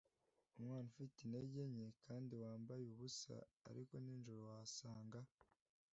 umwana ufite intege nke kandi wambaye ubusa ariko nijoro wasaga